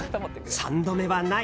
３度目はない。